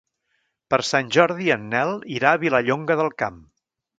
Per Sant Jordi en Nel irà a Vilallonga del Camp.